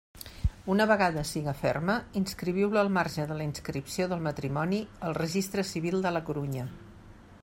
Una vegada siga ferma, inscriviu-la al marge de la inscripció del matrimoni al Registre Civil de la Corunya.